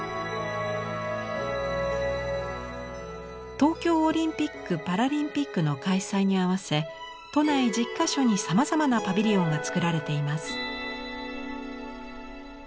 東京オリンピック・パラリンピックの開催に合わせ都内１０か所にさまざまなパビリオンが作られています。